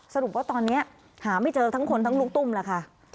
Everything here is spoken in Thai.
สรุปว่าตอนนี้หาไม่เจอทั้งคนทั้งลูกตุ้มแล้วค่ะ